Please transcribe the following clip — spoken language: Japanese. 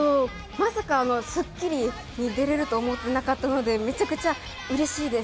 まさか『スッキリ』に出れると思っていなかったので、めちゃくちゃ嬉しいです。